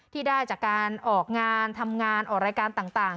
ที่ได้จากการออกงานทำงานออกรายการต่าง